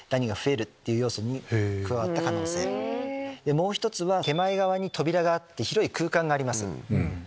もう１つは手前側に扉があって広い空間があります。